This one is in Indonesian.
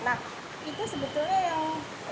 nah itu sebetulnya yang